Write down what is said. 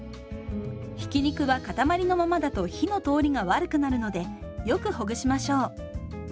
ひき肉は塊のままだと火の通りが悪くなるのでよくほぐしましょう。